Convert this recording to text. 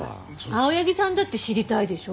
青柳さんだって知りたいでしょ？